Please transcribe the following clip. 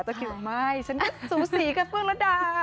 ต้องคิดว่าไม่ฉันก็สูงสีกับเบื้องระดาษ